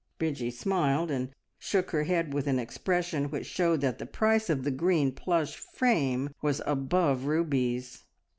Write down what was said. Bridgie smiled and shook her head with an expression which showed that the price of the green plush frame was above rubies.